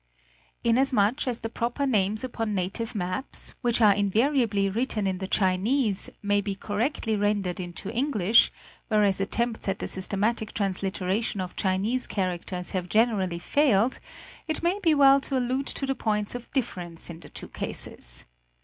Inasmuch as the proper names upon native maps, which are invariably written in the Chinese, may be correctly rendered into English, whereas attempts at the systematic transliteration of Chinese characters have generally failed, it may be well to allude to the points of difference in the two cases.